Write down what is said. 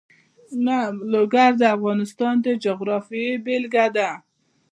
لوگر د افغانستان د جغرافیې بېلګه ده.